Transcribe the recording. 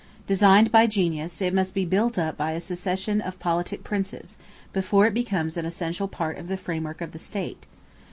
Designed by genius, it must be built up by a succession of politic Princes, before it becomes an essential part of the framework of the State.